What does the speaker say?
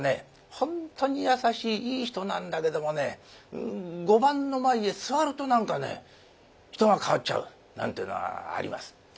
本当に優しいいい人なんだけどもね碁盤の前へ座ると何かね人が変わっちゃうなんてえのはあります。